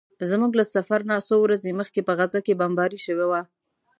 زموږ له سفر نه څو ورځې مخکې په غزه کې بمباري شوې وه.